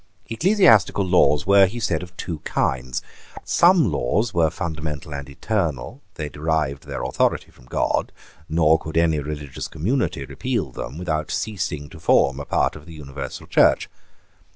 Ecclesiastical laws were, he said, of two kinds. Some laws were fundamental and eternal: they derived their authority from God; nor could any religious community repeal them without ceasing to form a part of the universal Church.